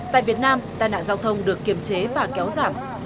tại việt nam tai nạn giao thông được kiềm chế và kéo giảm